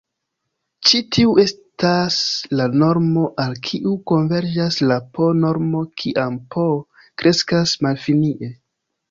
Ĉi tiu estas la normo al kiu konverĝas la "p"-normo kiam "p" kreskas malfinie.